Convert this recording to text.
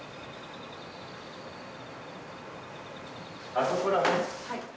あそこだね。